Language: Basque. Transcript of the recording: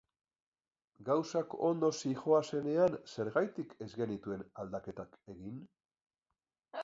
Gauzak ondo zihoazenean zergatik ez genituen aldaketak egin?